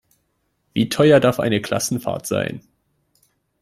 Wie teuer darf eine Klassenfahrt sein?